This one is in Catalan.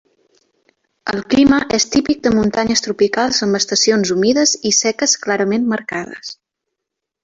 El clima és típic de muntanyes tropicals amb estacions humides i seques clarament marcades.